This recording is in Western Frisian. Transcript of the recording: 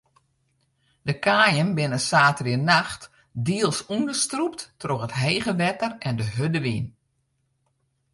De kaaien binne saterdeitenacht diels ûnderstrûpt troch it hege wetter en de hurde wyn.